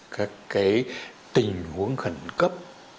các cái tình huống khẩn cấp